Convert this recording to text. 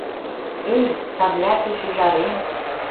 «Эй, Тарляче шӱжарем